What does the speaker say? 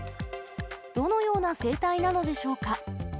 どのような生態なのでしょうか。